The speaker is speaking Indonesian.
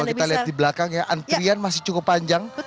kalau kita lihat di belakang ya antrian masih cukup panjang